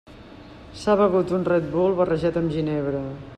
S'ha begut un Red Bull barrejat amb ginebra.